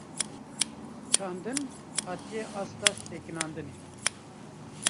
Çandin, hatiye asta sekinandinê